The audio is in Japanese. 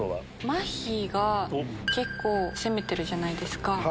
まっひーが結構攻めてるじゃないですか。